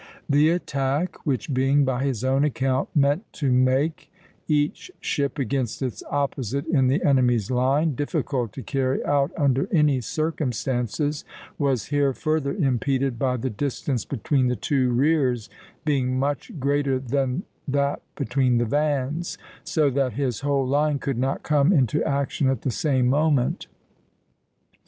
A, A). The attack which Byng by his own account meant to make, each ship against its opposite in the enemy's line, difficult to carry out under any circumstances, was here further impeded by the distance between the two rears being much greater than that between the vans; so that his whole line could not come into action at the same moment.